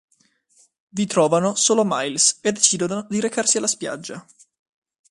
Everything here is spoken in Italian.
Vi trovano solo Miles e decidono di recarsi alla spiaggia.